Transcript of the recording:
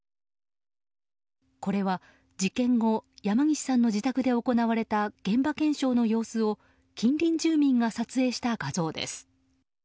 これは、事件後山岸さんの自宅で行われた現場検証の様子を近隣住民が撮影した画像です。